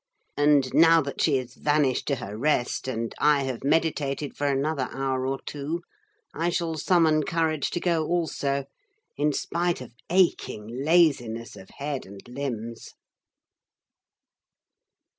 And now that she is vanished to her rest, and I have meditated for another hour or two, I shall summon courage to go also, in spite of aching laziness of head and limbs.